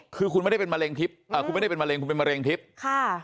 คือคุณไม่ได้เป็นมะเร็งทิพย์คุณเป็นมะเร็งทิพย์